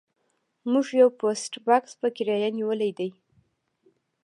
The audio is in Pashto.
موږ یو پوسټ بکس په کرایه نیولی دی